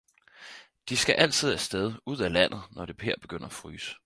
De skal altid afsted, ud af landet, naar det her begynder at fryse